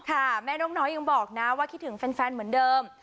แม่นกน้อยยังบอกนะว่าคิดถึงแฟนเหมือนเดิม